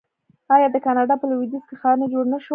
آیا د کاناډا په لویدیځ کې ښارونه جوړ نشول؟